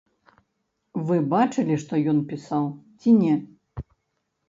Вы бачылі, што ён пісаў, ці не?